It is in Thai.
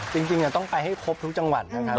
จริงอย่างนี้ต้องไปให้ครบทุกจังหวันนะคะ